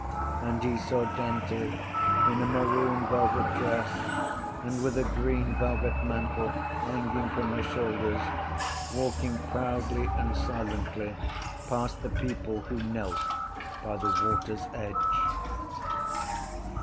And he saw Dante in a maroon velvet dress and with a green velvet mantle hanging from her shoulders walking proudly and silently past the people who knelt by the water’s edge.